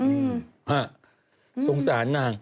อืมสงสารนาง